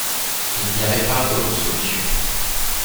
Il n’y avait pas d’autre solution.